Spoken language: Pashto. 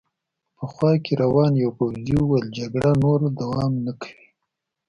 په خوا کې روان یوه پوځي وویل: جګړه نور دوام نه کوي.